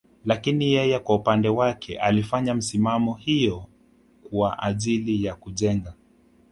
Lakini yeye kwa upande wake alifanya misimamo hiyo kwa ajili ya kujenga